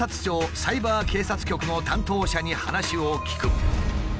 サイバー警察局の担当者に話を聞く。